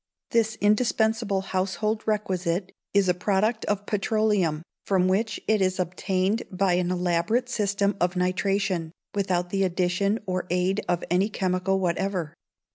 This indispensable household requisite is a product of petroleum, from which it is obtained by an elaborate system of nitration, without the addition or aid of any chemical whatever.